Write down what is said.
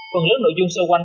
còn lớp nội dung sâu quanh